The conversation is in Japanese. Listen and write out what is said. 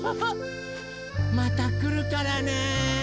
またくるからね！